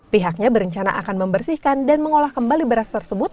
pihaknya berencana akan membersihkan dan mengolah kembali beras tersebut